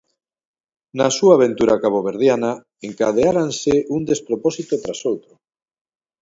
Na súa aventura caboverdiana encadeáranse un despropósito tras outro.